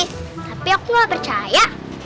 tapi aku gak percaya